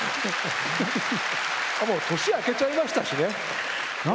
年明けちゃいましたしね。